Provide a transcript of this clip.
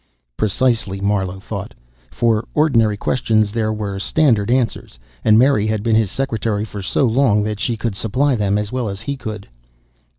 Precisely, Marlowe thought. For ordinary questions there were standard answers, and Mary had been his secretary for so long that she could supply them as well as he could.